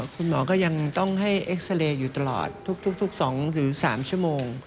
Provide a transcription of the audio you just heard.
คุณหมอก็ยังต้องให้เอ็กซาเรย์อยู่ตลอดทุก๒๓ชั่วโมง